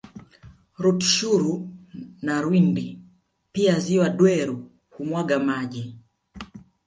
Rutshuru na Rwindi Pia ziwa Dweru humwaga maji